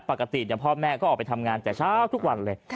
ปกติพ่อแม่ก็ออกไปทำงานแต่เช้าทุกวันเลย